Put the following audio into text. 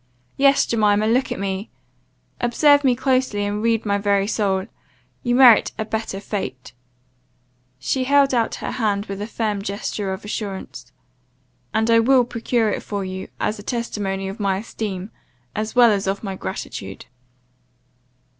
Yes, Jemima, look at me observe me closely, and read my very soul; you merit a better fate;" she held out her hand with a firm gesture of assurance; "and I will procure it for you, as a testimony of my esteem, as well as of my gratitude."